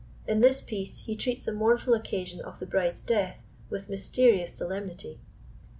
In this piece he treats the mournful occasion of the bride's death with mysterious solemnity.